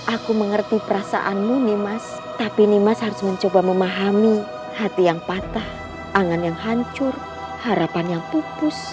aku mengerti perasaanmu nih mas tapi nimas harus mencoba memahami hati yang patah angan yang hancur harapan yang pupus